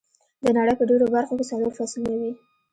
د نړۍ په ډېرو برخو کې څلور فصلونه وي.